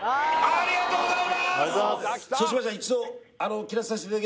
ありがとうございます